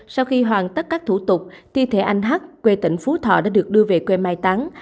sau khi hoàn tất các thủ tục thi thể anh hát quê tỉnh phú thọ đã được đưa về quê mai táng